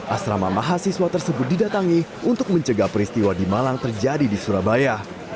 asrama mahasiswa tersebut didatangi untuk mencegah peristiwa di malang terjadi di surabaya